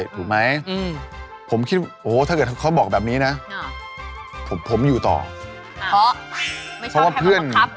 และขอคบกับคุณ